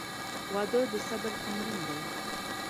• واده د صبر تمرین دی.